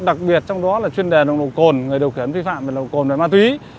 đặc biệt trong đó là chuyên đề lồng đồ cồn người đầu khuyến vi phạm về lồng cồn và ma túy